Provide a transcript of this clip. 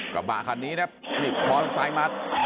กระบาดคันนี้นะหลีบพ้อซ้ายมัด